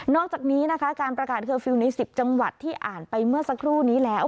อกจากนี้นะคะการประกาศเคอร์ฟิลล์ใน๑๐จังหวัดที่อ่านไปเมื่อสักครู่นี้แล้ว